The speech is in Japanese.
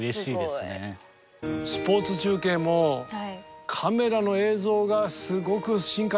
スポーツ中継もカメラの映像がすごく進化してますね。